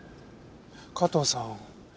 加藤さん